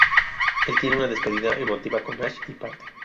Él tiene una despedida emotiva con Ash y parte.